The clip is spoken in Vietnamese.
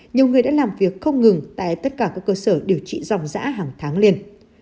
nhiều người đã làm việc không ngừng tại tất cả các cơ sở điều trị dòng giã hàng tháng liền